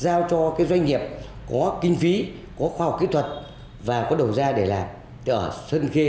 giao cho doanh nghiệp có kinh phí có khoa học kỹ thuật và có đầu gia để làm ở sơn khê